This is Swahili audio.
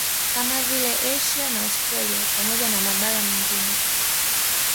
Kama vile Asia na Australia pamoja na mabara mengine